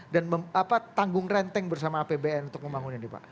dan tanggung renteng bersama apbn untuk membangun ini pak